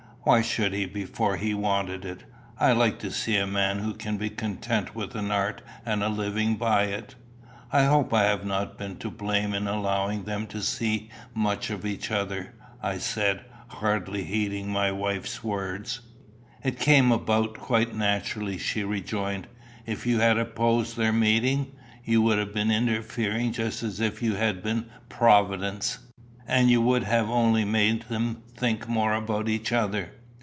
"Why should he before he wanted it? I like to see a man who can be content with an art and a living by it." "I hope I have not been to blame in allowing them to see so much of each other," I said, hardly heeding my wife's words. "It came about quite naturally," she rejoined. "If you had opposed their meeting, you would have been interfering just as if you had been Providence. And you would have only made them think more about each other."